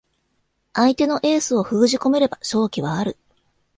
相手のエースを封じ込めれば勝機はある